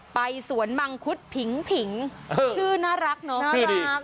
ไปสวนมังคุดผิงผิงชื่อน่ารักเนอะ